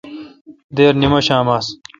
دیر نیمشام آس۔